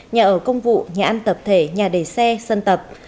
nhà ở công vụ nhà ăn tập thể nhà đầy xe sân tập